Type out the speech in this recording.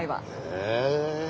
へえ。